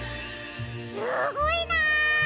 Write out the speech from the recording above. すごいな！